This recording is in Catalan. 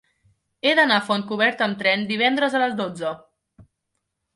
He d'anar a Fontcoberta amb tren divendres a les dotze.